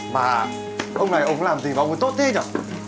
mà ông này ông làm gì mà ông ấy tốt thế nhở